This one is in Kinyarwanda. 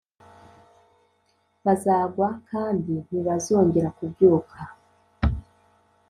bazagwa kandi ntibazongera kubyuka.